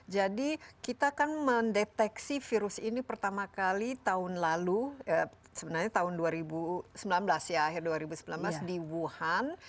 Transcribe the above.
jadi kita kan mendeteksi virus ini pertama kali tahun lalu sebenarnya tahun dua ribu sembilan belas ya akhir dua ribu sembilan belas di wuhan